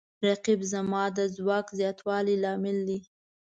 رقیب زما د ځواک د زیاتوالي لامل دی